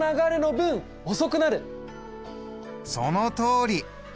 そのとおり！